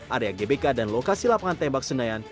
area gbk dan lokasi lapangan tembak senayan